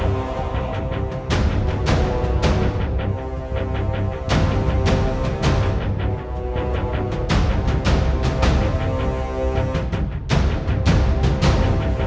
mereka akan bisa